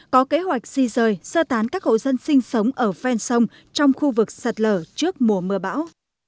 có kế hoạch di rời sơ tán các hộ dân sinh sống ở ven sông trong khu vực sạt lở trước mùa mưa bão